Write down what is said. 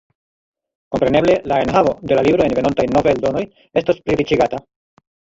Kompreneble la enhavo de la libro en venontaj noveldonoj estos pliriĉigata.